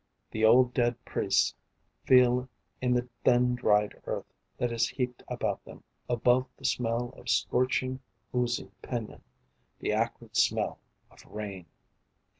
The old dead priests Feel in the thin dried earth that is heaped about them, Above the smell of scorching oozing pinyon, The acrid smell of rain.